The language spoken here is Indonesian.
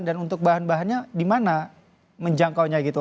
dan untuk bahan bahannya di mana menjangkaunya gitu